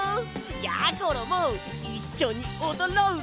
やころもいっしょにおどろうぜ！